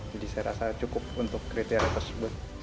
jadi saya rasa cukup untuk kriteria tersebut